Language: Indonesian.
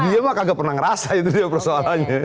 dia kagak pernah ngerasa itu dia persoalannya